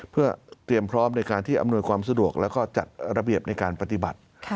เพื่อเตรียมพร้อมในการที่อำนวยความสะดวกแล้วก็จัดระเบียบในการปฏิบัติ